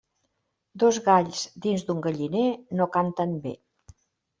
Dos galls dins un galliner no canten bé.